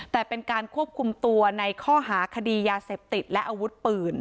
แต่เป็นการควบคุมตัวในข้อหาคดียาเสพติดและอาวุธปืน